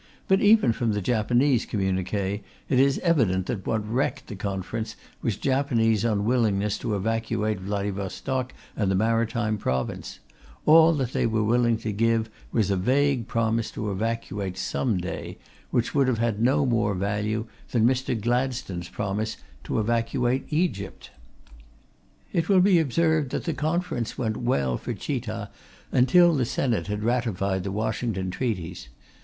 But even from the Japanese communiqué it is evident that what wrecked the Conference was Japanese unwillingness to evacuate Vladivostok and the Maritime Province; all that they were willing to give was a vague promise to evacuate some day, which would have had no more value than Mr. Gladstone's promise to evacuate Egypt. It will be observed that the Conference went well for Chita until the Senate had ratified the Washington treaties.